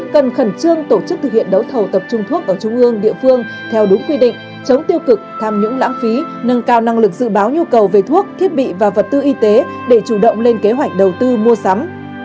cần khẩn trương tổ chức thực hiện đấu thầu tập trung thuốc ở trung ương địa phương theo đúng quy định chống tiêu cực tham nhũng lãng phí nâng cao năng lực dự báo nhu cầu về thuốc thiết bị và vật tư y tế để chủ động lên kế hoạch đầu tư mua sắm